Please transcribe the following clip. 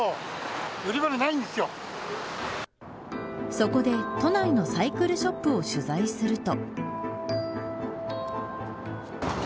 そこで、都内のサイクルショップを取材すると。